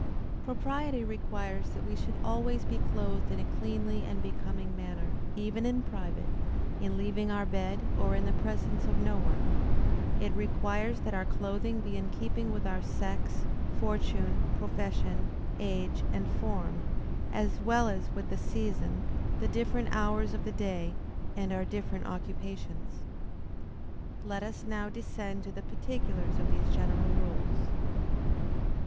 _ Propriety requires that we should always be clothed in a cleanly and becoming manner, even in private, in leaving our bed, or in the presence of no one. It requires that our clothing be in keeping with our sex, fortune, profession, age, and form, as well as with the season, the different hours of the day and our different occupations. Let us now descend to the particulars of these general rules.